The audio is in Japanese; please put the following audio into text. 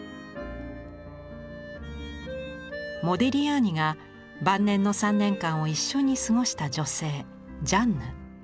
モディリアーニが晩年の３年間を一緒に過ごした女性ジャンヌ。